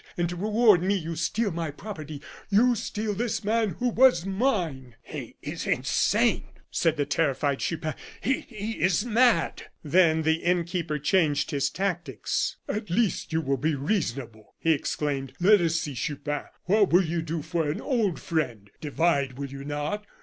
And to reward me, you steal my property; you steal this man who was mine " "He is insane!" said the terrified Chupin, "he is mad!" Then the innkeeper changed his tactics. "At least you will be reasonable," he exclaimed. "Let us see, Chupin, what you will do for an old friend? Divide, will you not?